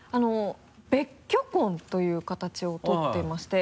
別居婚というかたちを取っていまして。